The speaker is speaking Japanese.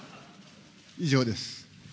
以上です。